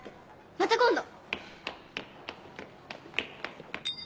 また今度！